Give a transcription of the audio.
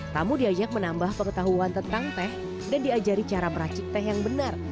tamu diajak menambah pengetahuan tentang teh dan diajari cara meracik teh yang benar